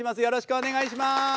よろしくお願いします。